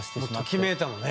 ときめいたのね。